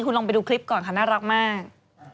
คุณลองไปดูคลิปก่อนค่ะน่ารักมาก